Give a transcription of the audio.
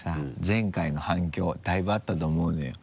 前回の反響だいぶあったと思うのよ。